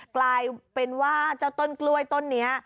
กลายเป็นว่าเจ้าต้นกล้วยต้นนี้